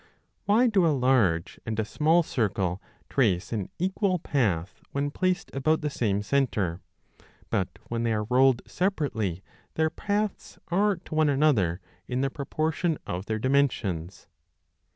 Why do a large and a small circle trace an equal path when placed about the same centre, but when they are rolled separately their paths are to one another in the proportion of their dimensions